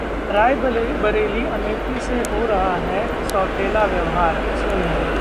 रायबरेली-अमेठी से हो रहा है सौतेला व्यवहार: सोनिया